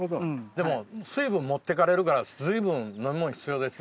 でも水分持ってかれるから随分飲み物必要ですね。